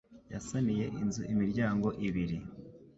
yasaniye inzu imiryango ibiri